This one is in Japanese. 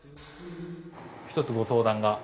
ひとつご相談が。